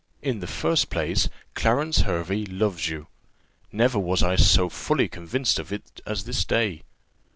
In the first place, Clarence Hervey loves you. Never was I so fully convinced of it as this day.